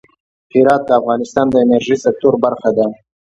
هرات د افغانستان د انرژۍ سکتور برخه ده.